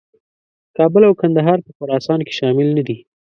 کابل او کندهار په خراسان کې شامل نه دي.